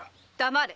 黙れ！